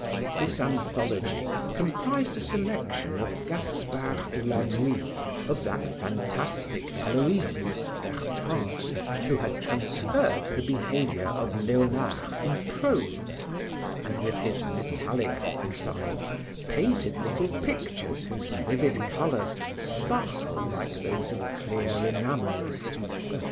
This anthology comprised a selection of Gaspard de la nuit of that fantastic Aloysius Bertrand who had transferred the behavior of Leonard in prose and, with his metallic oxydes, painted little pictures whose vivid colors sparkle like those of clear enamels.